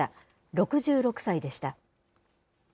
６６歳でした。